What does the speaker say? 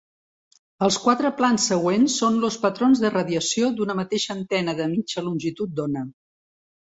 Els quatre plans següents són los patrons de radiació d'una mateixa antena de mitja longitud d'ona.